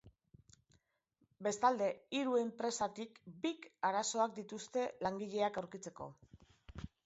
Bestalde, hiru enpresatik bik arazoak dituzte langileak aurkitzeko.